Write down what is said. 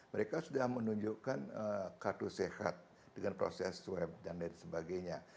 mereka sudah menunjukkan kartu sehat dengan proses swab dan lain sebagainya